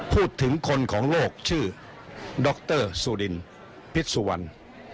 พูดถึงคนของโลกชื่อดรสุรินพิษสุวรรณ